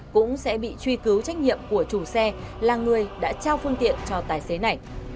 cũng sẽ bị truy cứu trách nhiệm của chủ xe là người đã trao phương tiện cho tài xế này